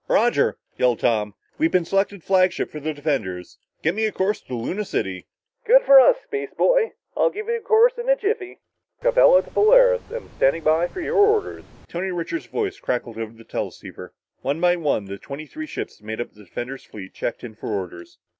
"Roger," yelled Tom, "we've been selected as flagship for the defenders! Get me a course to Luna City!" "Good for us, spaceboy. I'll give you that course in a jiffy!" "... Capella to Polaris am standing by for your orders...." Tony Richards' voice crackled over the teleceiver. One by one the twenty three ships that made up the defender's fleet checked in for orders.